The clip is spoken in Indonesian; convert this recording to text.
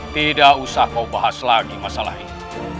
tidak usah kau bahas lagi masalah ini